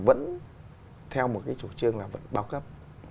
vẫn theo một cái chủ trương là vẫn bao cấp